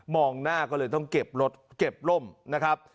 หน้าก็เลยต้องเก็บรถเก็บล่มนะครับ